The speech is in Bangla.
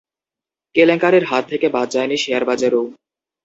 কেলেঙ্কারির হাত থেকে বাদ যায়নি শেয়ারবাজারও।